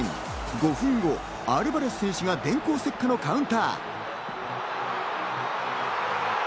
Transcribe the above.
５分後、アルバレス選手が電光石火のカウンター。